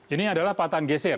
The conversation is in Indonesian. ini adalah patahan geser